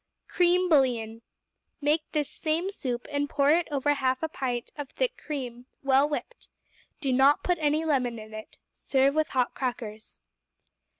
Cream Bouillon Make this same soup, and pour it over a half pint of thick cream, well whipped. Do not put any lemon in it. Serve with hot crackers.